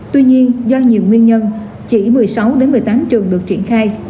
tuy nhiên do nhiều nguyên nhân chỉ một mươi sáu một mươi tám trường được triển khai